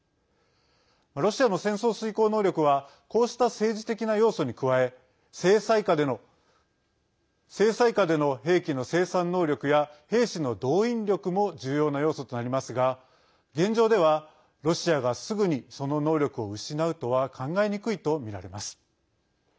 ロシアの戦争遂行能力はこうした政治的な要素に加え制裁下での兵器の生産能力や兵士の動員力も重要な要素となりますが現状では、ロシアがすぐにその能力を失うとは考えにくいとみられます。